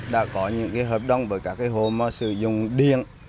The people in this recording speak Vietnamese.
đã có những hợp đồng với các hồ sử dụng điện